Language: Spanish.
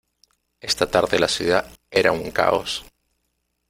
Esta tarde la ciudad era un caos.